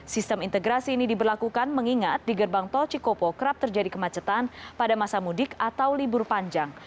sistem integrasi ini diberlakukan mengingat di gerbang tol cikopo kerap terjadi kemacetan pada masa mudik atau libur panjang